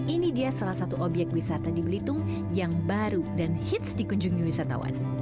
ini dia salah satu obyek wisata di belitung yang baru dan hits dikunjungi wisatawan